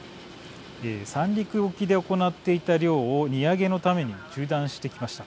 三陸沖で行っていた漁を荷揚げのために中断してきました。